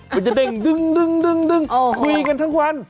มันจะเด้งดึงคุยกันทั้งวัน